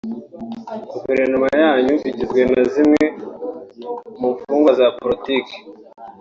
Guverinoma yanyu igizwe na zimwe mu mfungwa za politiki